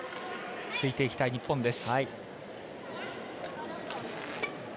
ついていきたい、日本です。